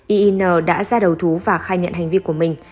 yn đã ra đầu thú và khai nhận hành vi của mình